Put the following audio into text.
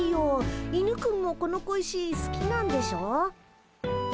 犬くんもこの小石好きなんでしょ？